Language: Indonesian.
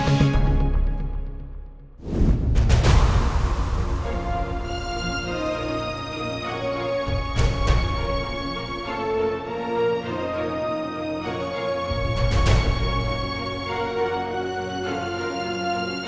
oh empat rupiah